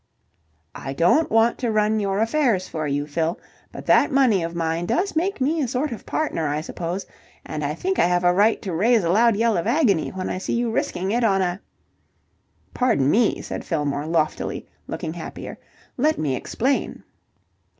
"I don't want to run your affairs for you, Fill, but that money of mine does make me a sort of partner, I suppose, and I think I have a right to raise a loud yell of agony when I see you risking it on a..." "Pardon me," said Fillmore loftily, looking happier. "Let me explain.